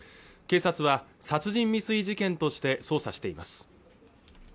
警察は殺人未遂事件として捜査しています